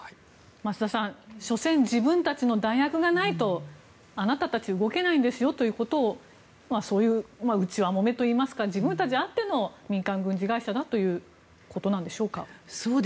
増田さん、所詮自分たちの弾薬がないとあなたたち、動けないんですよという内輪もめといいますか自分たちがあっての民間軍事会社だということなんでしょうか。